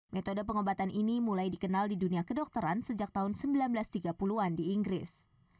metode pengobatan ini mulai dikenal di dunia kedokteran sejak tahun seribu sembilan ratus tiga puluh an di inggris